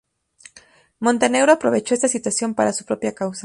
Montenegro aprovechó esta situación para su propia causa.